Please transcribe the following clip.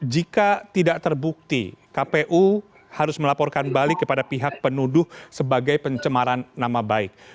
jika tidak terbukti kpu harus melaporkan balik kepada pihak penuduh sebagai pencemaran nama baik